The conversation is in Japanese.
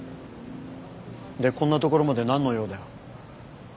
でこんなところまでなんの用だよ？